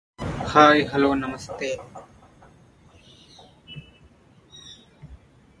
The Pride acquired turquoise-colored stadium seating from Fulton County Stadium in Atlanta, Georgia.